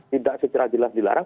tidak secara jelas dilarang